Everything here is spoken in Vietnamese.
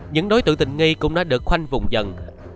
những đối tượng tình nghi cũng đã được khoanh vùng dần